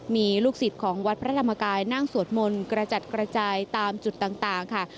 มีลูกศิษย์ของวัดพระธรรมกายนั่งสวดมนต์กระจัดกระจายตามจุดต่างค่ะ